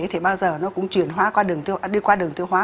thì bao giờ nó cũng chuyển hóa qua đường tiêu hóa